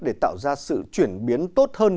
để tạo ra sự chuyển biến tốt hơn